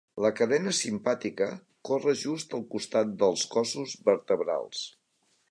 La cadena simpàtica corre just al costat dels cossos vertebrals.